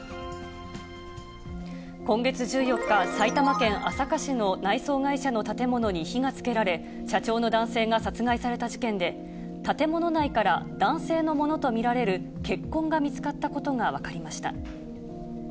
今月１４日、埼玉県朝霞市の内装会社の建物に火がつけられ、社長の男性が殺害された事件で、建物内から男性のものと見られる血痕が見つかったことが分かりました。